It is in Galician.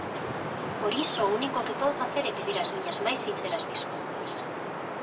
Por iso o único que podo facer é pedir as miñas máis sinceras desculpas.